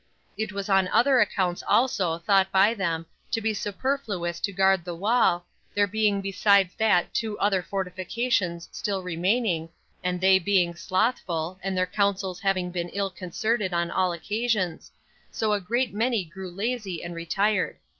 It was on other accounts also thought by them to be superfluous to guard the wall, there being besides that two other fortifications still remaining, and they being slothful, and their counsels having been ill concerted on all occasions; so a great many grew lazy and retired.